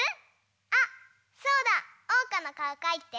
あそうだ！おうかのかおかいて！